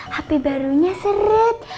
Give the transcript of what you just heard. hp barunya seret